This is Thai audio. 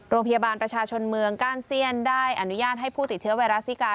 โรงพยาบาลประชาชนเมืองก้านเซียนได้อนุญาตให้ผู้ติดเชื้อไวรัสซิกา